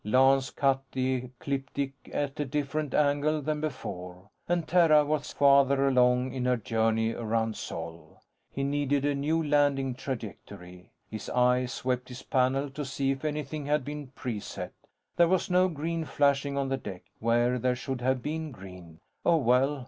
Lance cut the ecliptic at a different angle than before, and Terra was farther along in her journey around Sol. He needed a new landing trajectory. His eye swept his panel, to see if anything had been preset. There was no green flashing on the deck, where there should have been green. Oh, well.